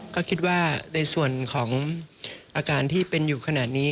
ก็คิดว่าในส่วนของอาการที่เป็นอยู่ขนาดนี้